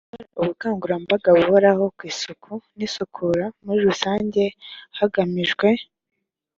gukora ubukangurambaga buhoraho ku isuku n isukura muri rusange hagamijwe